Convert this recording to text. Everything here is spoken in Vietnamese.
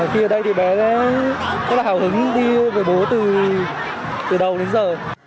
thì ở đây thì bé rất là hào hứng đi với bố từ đầu đến giờ